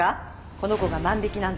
この子が万引きなんて。